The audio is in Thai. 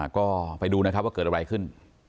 ก็ไปดูนะครับว่าเกิดอะไรขึ้น